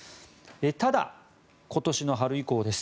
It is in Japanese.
ただ、今年の春以降です